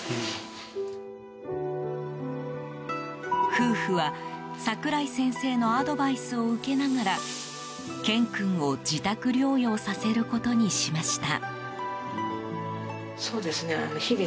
夫婦は櫻井先生のアドバイスを受けながらケン君を自宅療養させることにしました。